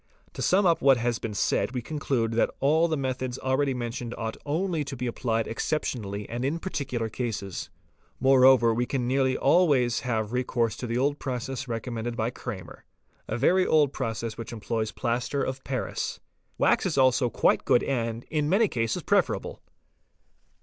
To sum up what has been said we conclude that all the methods already mentioned ought only to be applied exceptionally and in parti cular cases. Moreover we can nearly always have recourse to the. process recommended by Krahmer®®, a very old process which employs plaster of paris. Wax is also quite as good and, in many cases, preferable.